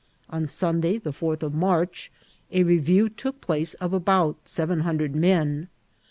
On Sunday, the fourth of March, a review took place of about seven hundred m&i.